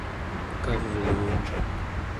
kavluun